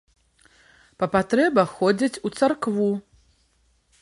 Па патрэбах ходзяць у царкву.